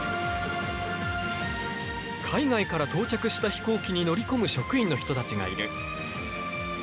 海外から到着した飛行機に乗り込む職員の人たちがいる。